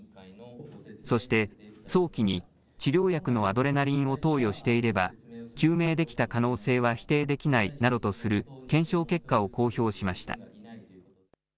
そして、早期に治療薬のアドレナリンを投与していれば救命できた可能性は否定できないなどとする検証結果を公表しました。